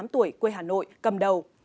ba mươi tám tuổi quê hà nội cầm đầu